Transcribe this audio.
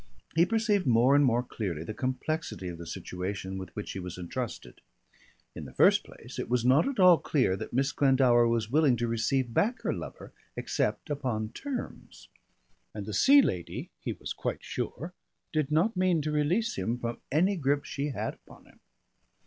He perceived more and more clearly the complexity of the situation with which he was entrusted. In the first place it was not at all clear that Miss Glendower was willing to receive back her lover except upon terms, and the Sea Lady, he was quite sure, did not mean to release him from any grip she had upon him.